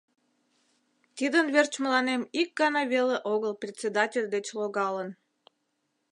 Тидын верч мыланем ик гана веле огыл председатель деч логалын.